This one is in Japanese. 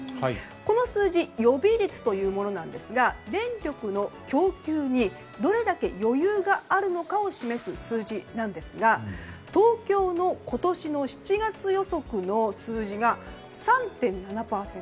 この数字予備率というものなんですが電力の供給にどれだけ余裕があるのかを示す数字なんですが東京の今年の７月予測の数字が３．７％。